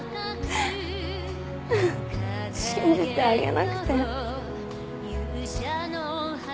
信じてあげなくて。